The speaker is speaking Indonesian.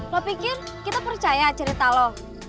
lo pikir kita percaya cerita lo